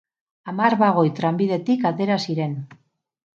Hamar bagoi trenbidetik atera ziren.